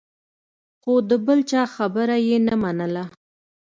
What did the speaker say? خو د بل چا خبره یې نه منله.